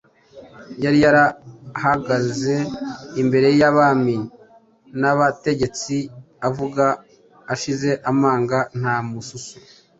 Yari yarahagaze imbere y’abami n’abategetsi avuga ashize amanga nta mususu